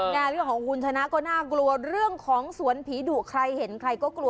เรื่องของคุณชนะก็น่ากลัวเรื่องของสวนผีดุใครเห็นใครก็กลัว